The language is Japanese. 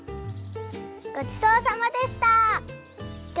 ごちそうさまでした！